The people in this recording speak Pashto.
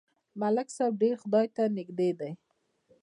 ملک صاحب ډېر خدای ته نږدې دی.